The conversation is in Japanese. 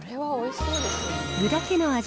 具だけの味